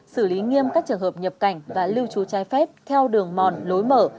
xử lý nghiêm các trường hợp nhập cảnh và lưu trú trái phép theo đường mòn lối mở